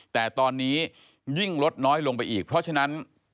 แต่ตอนนี้ยิ่งลดน้อยลงไปอีกเพราะฉะนั้น